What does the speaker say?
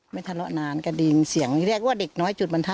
ไม่ทะเลาะนานกระดิ่งเสียงเรียกว่าเด็กน้อยจุดประทัด